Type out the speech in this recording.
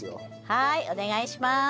はいお願いします。